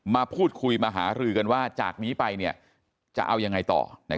มาพูดคุยมาหารือกันว่าจากนี้ไปจะเอายังไงต่อ